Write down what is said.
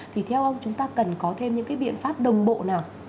thì theo ông chúng ta cần có thêm những cái biện pháp đồng bộ nào